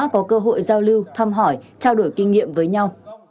có cơ hội giao lưu thăm hỏi trao đổi kinh nghiệm với nhau